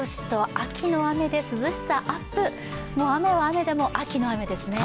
秋の雨で涼しさアップ、雨は雨でも秋の雨ですね。